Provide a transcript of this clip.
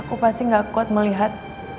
aku pasti gak kuat melihat